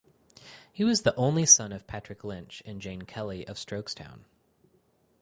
He was the only son of Patrick Lynch and Jane Kelly of Strokestown.